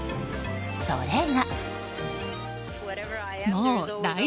それが。